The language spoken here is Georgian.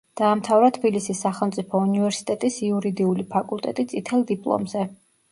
დაამთავრა თბილისის სახელმწიფო უნივერსიტეტის იურიდიული ფაკულტეტი წითელ დიპლომზე.